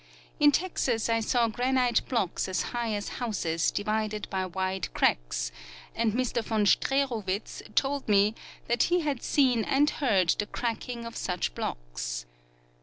In Texas I saw granite blocks as high as houses divided by wide cracks, and Mr von Streeruwitz told me that he had seen and heard the cracking of such blocks.